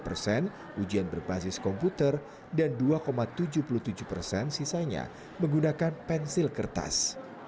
dua puluh persen ujian berbasis komputer dan dua tujuh puluh tujuh persen sisanya menggunakan pensil kertas